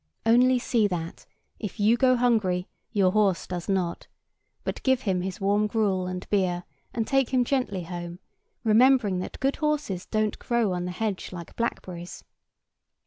Only see that, if you go hungry, your horse does not; but give him his warm gruel and beer, and take him gently home, remembering that good horses don't grow on the hedge like blackberries.